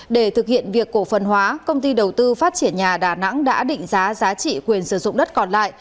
để thực hiện việc cổ phần hóa công ty đầu tư phát triển nhà đà nẵng đã định giá giá trị quyền sử dụng đất còn lại